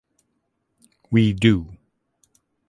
We do.